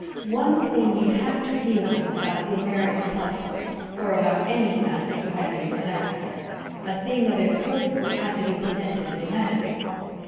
One thing you had to realize about the American public or about any mass of humanity, for that matter a thing of importance had to be presented dramatically.